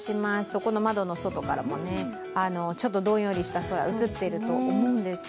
そこの窓の外からも、ちょっとどんよりした空、映ってると思います。